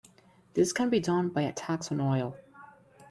This can be done by a tax on oil.